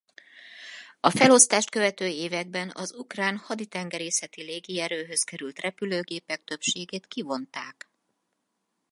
A felosztást követő években az ukrán haditengerészeti légierőhöz került repülőgépek többségét kivonták.